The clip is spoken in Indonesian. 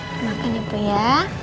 selamat makan ibu ya